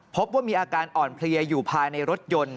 พบว่ามีอาการอ่อนเพลียอยู่ภายในรถยนต์